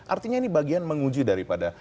artinya ini bagian menguji daripada